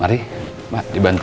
mari mbak dibantu